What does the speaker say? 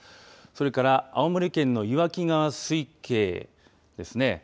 それから青森県の岩木川水系ですね。